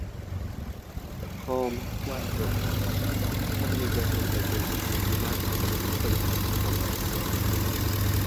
A calm, flat river, heavily regulated by dams, navigable in places from Tambov itself.